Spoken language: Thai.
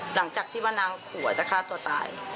หลังจากที่ว่านางผัวจะฆ่าตัวตาย